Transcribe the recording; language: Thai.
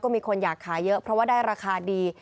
มีคนอยากขายเยอะเพราะว่าได้ราคาดี